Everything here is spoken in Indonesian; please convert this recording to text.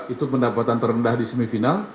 itu pendapatan terendah di semifinal